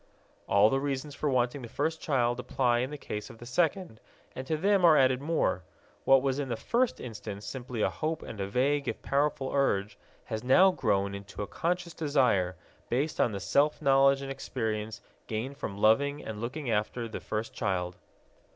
All the reasons for wanting the first child apply in the case of the second, and to them are added more. What was in the first instance simply a hope and a vague if powerful urge has now grown into a conscious desire, based on the self knowledge and experience gained from loving and looking after the first child.